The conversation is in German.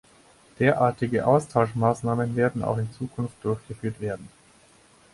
Derartige Austauschmaßnahmen werden auch in Zukunft durchgeführt werden.